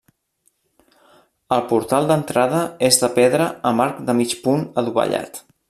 El portal d'entrada és de pedra amb arc de mig punt adovellat.